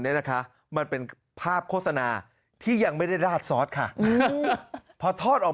เนี่ยนะคะมันเป็นภาพโฆษณาที่ยังไม่ได้ราดซอสค่ะพอทอดออก